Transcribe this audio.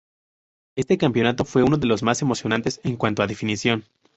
Este campeonato fue uno de los más emocionantes en cuanto a definición.